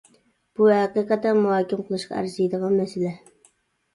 بۇ ھەقىقەتەن مۇھاكىمە قىلىشقا ئەرزىيدىغان مەسىلە.